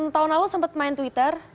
tahun lalu sempat main twitter